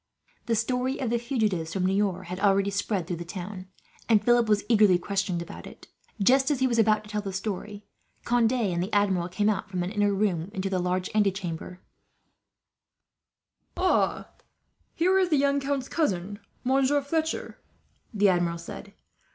The story of the fugitives from Niort had already spread through the town, and Philip was eagerly questioned about it. Just as he was about to tell the story, Conde and the Admiral came out, from an inner room, into the large anteroom where they were talking. "Ah! Here is the young count's cousin, Monsieur Fletcher," the Admiral said.